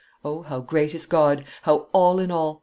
"O, how great is God! how all in all!